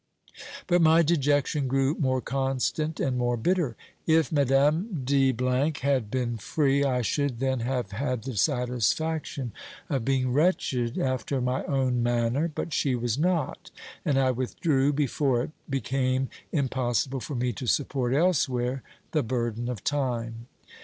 But my dejection grew more constant and more bitter. If Madame D had been free, I should then have had the satisfaction of being wretched after my own manner, but she was not, and I withdrew before it became im possible for me to support elsewhere the burden of time.